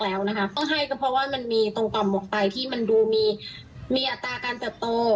ต้องให้เพราะมันมีต่อมหมวกไตที่มีอาตาการเติบโต